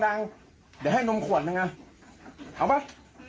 ยังเดี๋ยวให้นมขวดหนึ่งอ่ะเอาป่ะ